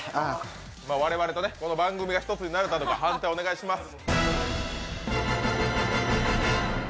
我々と番組が一つになれたのか判定お願いします。